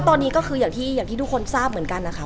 ตอนนี้ก็คืออย่างที่ทุกคนทราบเหมือนกันนะคะ